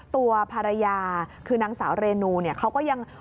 ตัวภรรยาคือนางสาวเรนูเนี่ยเขาก็ยัง